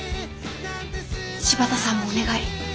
柴田さんもお願い。